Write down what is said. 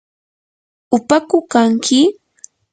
¿upaku kanki?